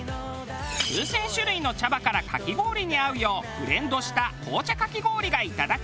数千種類の茶葉からかき氷に合うようブレンドした紅茶かき氷がいただける。